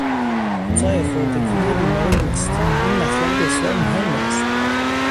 جای خردهگیری بیمورد نیست; این مطلب بسیار مهمی است.